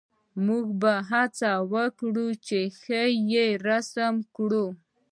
موږ به هڅه وکړو چې ښه یې رسم کړو